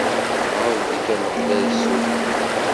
Ɛebdet Ameɣlal s tuggdi.